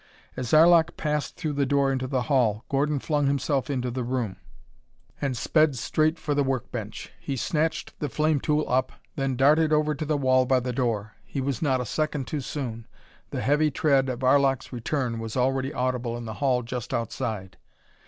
As Arlok passed through the door into the hall Gordon flung himself into the room, and sped straight for the work bench. He snatched the flame tool up, then darted over to the wall by the door. He was not a second too soon. The heavy tread of Arlok's return was already audible in the hall just outside.